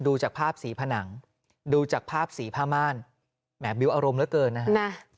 ดูจากภาพสีผนังดูจากภาพสีผ้าม่านแหมบิ๊วอารมณ์เหลือเกินนะฮะ